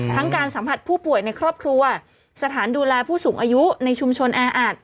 การสัมผัสผู้ป่วยในครอบครัวสถานดูแลผู้สูงอายุในชุมชนแออัด